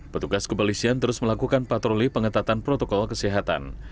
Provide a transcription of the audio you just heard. petugas kepolisian terus melakukan patroli pengetatan protokol kesehatan